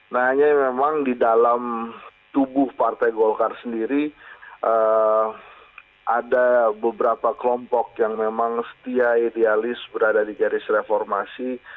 nah hanya memang di dalam tubuh partai golkar sendiri ada beberapa kelompok yang memang setia idealis berada di garis reformasi